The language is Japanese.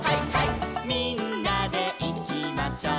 「みんなでいきましょう」